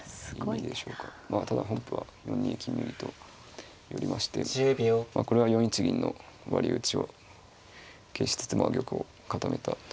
まあただ本譜は４二金右と寄りましてこれは４一銀の割り打ちを消しつつ玉を固めたという意味です。